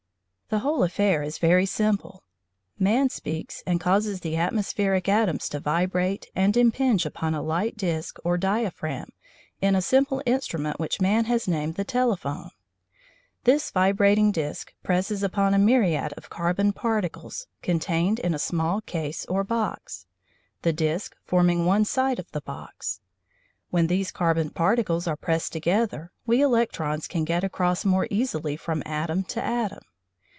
The whole affair is very simple. Man speaks and causes the atmospheric atoms to vibrate and impinge upon a light disc or diaphragm in a simple instrument which man has named the telephone. This vibrating disc presses upon a myriad of carbon particles contained in a small case or box, the disc forming one side of the box. When these carbon particles are pressed together we electrons can get across more easily from atom to atom.